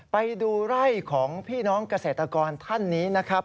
ไปดูไร่ของพี่น้องเกษตรกรท่านนี้นะครับ